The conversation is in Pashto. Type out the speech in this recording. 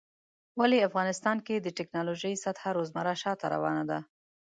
ولی افغانستان کې د ټيکنالوژۍ سطحه روزمره شاته روانه ده